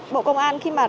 bộ công an khi mà đặt